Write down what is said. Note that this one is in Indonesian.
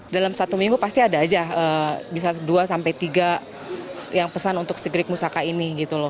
dalam satu minggu pasti ada saja bisa dua sampai tiga yang pesan untuk segerik mausaka ini